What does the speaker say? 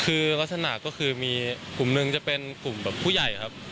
คือลักษณะก็คือมีกลุ่มหนึ่งจะเป็นกลุ่มแบบผู้ใหญ่ครับ